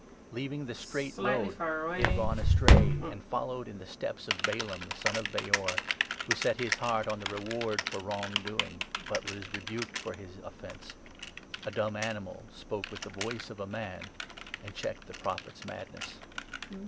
Leaving the straight road, they have gone astray and followed 15 in the steps of Balaam, the son of Beor, who set his heart on the reward for wrong doing, but was rebuked for his offence. 16 A dumb animal spoke with the voice of a man, and checked the prophet's madness.